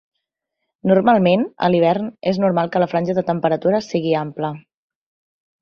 Normalment, a l'hivern és normal que la franja de temperatures sigui ampla.